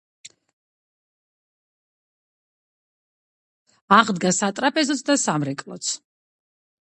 აღდგა სატრაპეზოც და სამრეკლოც.